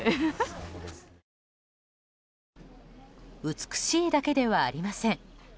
美しいだけではありません。